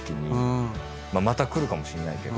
また来るかもしれないけど。